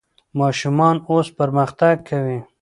ماشومان اوس پرمختګ کوي.